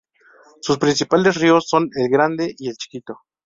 Sus principales ríos son el Grande y el Chiquito.